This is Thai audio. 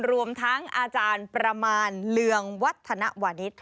รวมทั้งอาจารย์ประมาณเรืองวัฒนวานิส